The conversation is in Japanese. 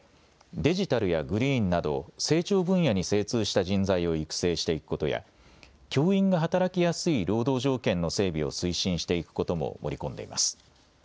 デジタルやグリーンなど成長分野に精通した人材を育成していくことや教員が働きやすい労働条件の整備を推進していくことも盛り込んでいます。